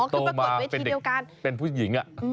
โตมาเป็นผู้หญิง